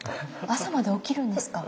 朝まで起きるんですか？